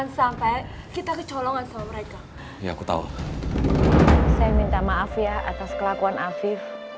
saya minta maaf ya atas kelakuan afif